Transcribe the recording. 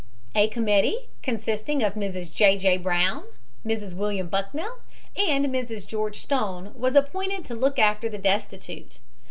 "A committee, consisting of Mrs. J. J. Brown, Mrs William Bucknell and Mrs. George Stone, was appointed to look after the destitute.